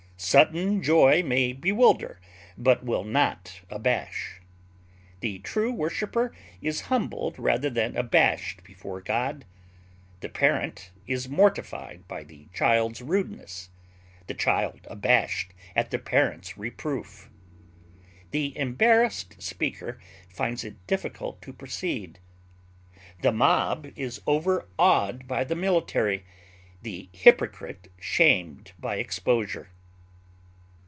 Sudden joy may bewilder, but will not abash. The true worshiper is humbled rather than abashed before God. The parent is mortified by the child's rudeness, the child abashed at the parent's reproof. The embarrassed speaker finds it difficult to proceed. The mob is overawed by the military, the hypocrite shamed by exposure.